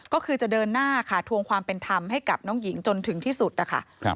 ก็คือจะเดินหน้าค่ะทวงความเป็นธรรมให้กับน้องหญิงจนถึงที่สุดนะคะ